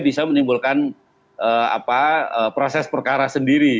bisa menimbulkan proses perkara sendiri